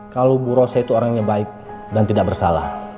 kalau bu rosa itu orangnya baik dan tidak bersalah